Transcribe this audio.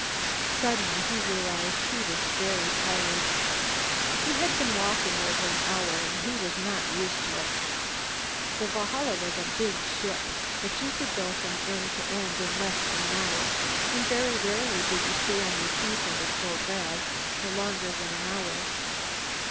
Suddenly, he realized he was very tired. He had been walking over an hour, and he was not used to it. The Valhalla was a big ship, but you could go from end to end in less than an hour, and very rarely did you stay on your feet under full grav for long as an hour.